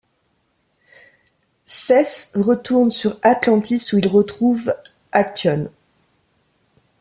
Seth retourne sur Atlantis, où il retrouve Actyon.